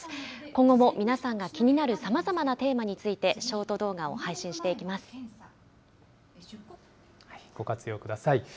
今後も皆さんが気になるさまざまなテーマについて、ショート動画ご活用ください。